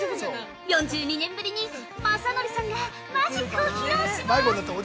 ４２年ぶりにまさのりさんがマジックを披露します。